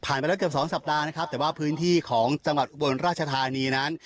ผ่านไปแล้วเกือบ๒สัปดาห์แต่ว่าพื้นที่ของจังหวัดอุบลรัชธานีนั้น